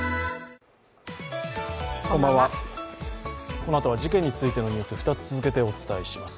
このあとは事件についてのニュース、２つ続けてお伝えします。